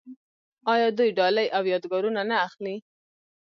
آیا دوی ډالۍ او یادګارونه نه اخلي؟